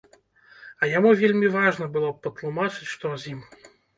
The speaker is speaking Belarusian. А яму вельмі важна было б патлумачыць, што з ім.